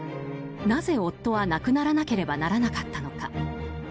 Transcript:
なぜ夫は亡くならなければならなかったのか。